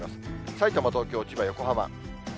さいたま、東京、千葉、横浜。